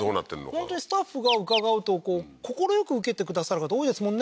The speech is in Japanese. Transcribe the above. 本当にスタッフが伺うと快く受けてくださる方多いですもんね